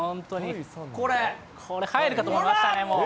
これ、入るかと思いましたね、もう。